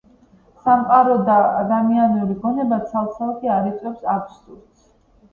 სამყარო და ადამიანური გონება ცალ-ცალკე არ იწვევს აბსურდს.